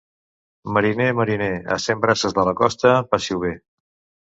Mariner, mariner, a cent braces de la costa, passi-ho bé.